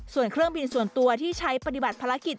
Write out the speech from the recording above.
ส่วนเครื่องบินส่วนตัวที่ใช้ปฏิบัติภารกิจ